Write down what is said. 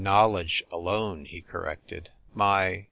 knowledge alone," he corrected; "my